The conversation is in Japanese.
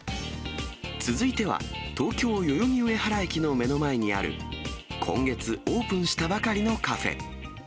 続いては、東京・代々木上原駅の目の前にある、今月オープンしたばかりのカフェ。